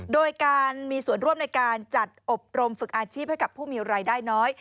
โดยการมีส่วนร่วมในการจัดอบรมฝึกอาชีพให้กับผู้มีรายได้น้อย